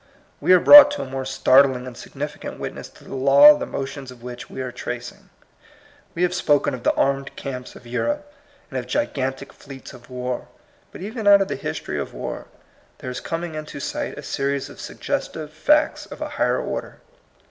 We are brought to a more startling and significant witness to the law the motions of which we are tracing. We have spoken of the armed camps of Europe and of gigantic fleets of war. But even out of the history of war there is coming into sight a series of suggestive facts of a higher order.